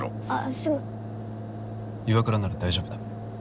岩倉なら大丈夫だ。